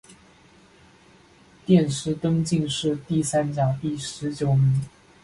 殿试登进士第三甲第十九名。